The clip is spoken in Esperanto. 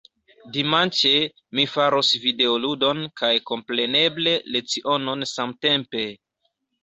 Dimanĉe, mi faros videoludon kaj kompreneble lecionon samtempe.